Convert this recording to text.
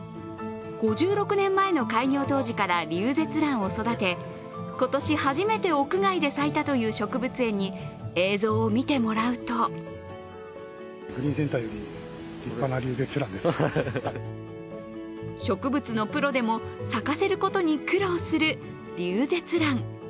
５６年前の開業当時からリュウゼツランを育て、今年初めて屋外で咲いたという植物園に映像を見てもらうと植物のプロでも咲かせることに苦労するリュウゼツラン。